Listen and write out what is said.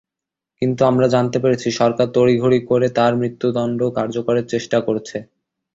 কিন্তু আমরা জানতে পেরেছি, সরকার তড়িঘড়ি করে তাঁর মৃত্যুদণ্ড কার্যকরের চেষ্টা করছে।